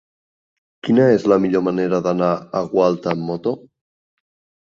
Quina és la millor manera d'anar a Gualta amb moto?